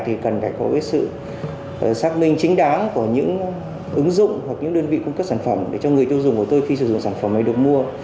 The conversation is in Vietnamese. thì cần phải có sự xác minh chính đáng của những ứng dụng hoặc những đơn vị cung cấp sản phẩm để cho người tiêu dùng của tôi khi sử dụng sản phẩm này được mua